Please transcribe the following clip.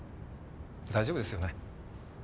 大丈夫ですよね？